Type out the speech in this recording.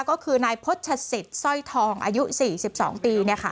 ก็คือนายพจสิทธิ์สร้อยทองอายุ๔๒ปี